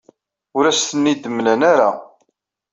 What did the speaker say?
Ur asent-ten-id-mlan ara.